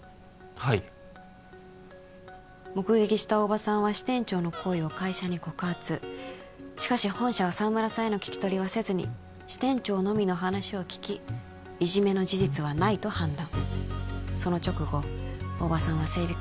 はい目撃した大庭さんは支店長の行為を会社に告発しかし本社は沢村さんへの聞き取りはせずに支店長のみの話を聞きいじめの事実はないと判断その直後大庭さんは整備